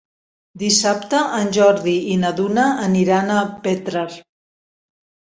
Dissabte en Jordi i na Duna aniran a Petrer.